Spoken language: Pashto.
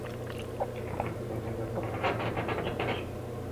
توره تیاره ده دروازه یې ده چینجو خوړلې٫